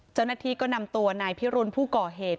เจ้าหน้าที่ก็นำตัวนายพิรุณผู้ก่อเหตุ